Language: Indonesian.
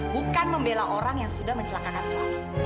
bukan membela orang yang sudah mencelakangan suami